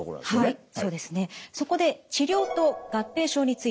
はい。